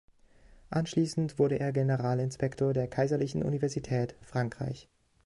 Anschließend wurde er Generalinspektor der Kaiserlichen Universität Frankreich.